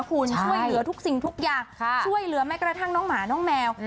คุณช่วยเหลือทุกสิ่งทุกอย่างช่วยเหลือแม้กระทั่งน้องหมาน้องแมว